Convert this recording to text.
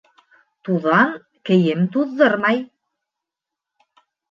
Туҙан кейем туҙҙырмай.